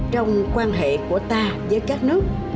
trong quan hệ của ta với các nước